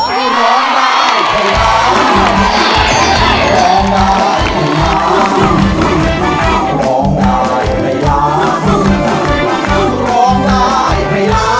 สุดท้อนครับ